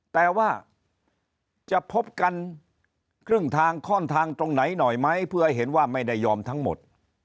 แต่ว่าจะพบกันครึ่งทางข้อนทางตรงไหนหน่อยไหมเพื่อให้เห็นว่าไม่ได้ยอมทั้งหมด